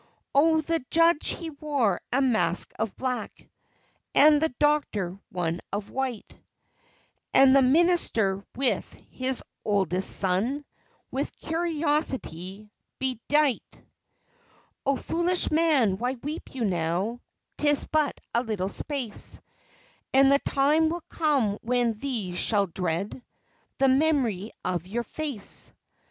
Oh, the judge, he wore a mask of black, And the doctor one of white, And the minister, with his oldest son, Was curiously bedight. Oh, foolish man, why weep you now? 'Tis but a little space, And the time will come when these shall dread The mem'ry of your face.